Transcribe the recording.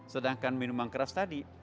sedangkan minuman keras tadi